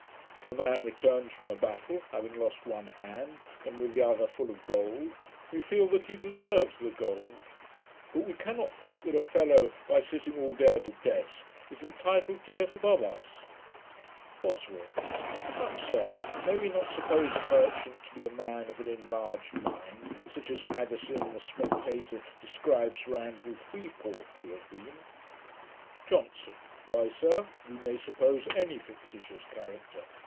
If a man returns from a battle, having lost one hand, and with the other full of gold, we feel that he deserves the gold; but we cannot think that a fellow, by sitting all day at a desk, is entitled to get above us.' BOSWELL. 'But, sir, may we not suppose a merchant to be a man of an enlarged mind, such as Addison in the Spectator describes Sir Andrew Freeport to have been?' JOHNSON. 'Why, sir, we may suppose any fictitious character.